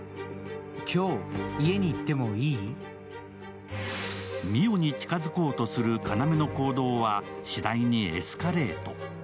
そして澪に近づこうとする要の行動は次第にエスカレート。